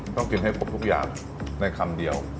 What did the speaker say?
ต้องกินให้ผมทุกอย่างในคำเดียว